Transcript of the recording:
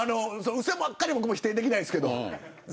うそばっかりは否定できないですけど。